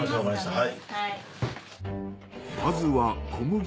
はい。